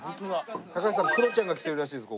高橋さんクロちゃんが来てるらしいです